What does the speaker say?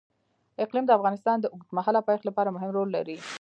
اقلیم د افغانستان د اوږدمهاله پایښت لپاره مهم رول لري.